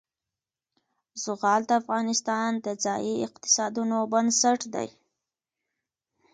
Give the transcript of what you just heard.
زغال د افغانستان د ځایي اقتصادونو بنسټ دی.